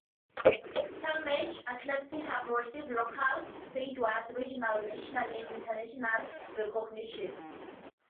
Tallmadge athletes have received local, statewide, regional, national, and international recognition.